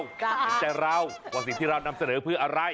ว่าสิ่งที่เรานำเสนอคืออะไร